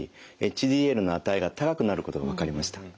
ＨＤＬの値が高くなることが分かりました。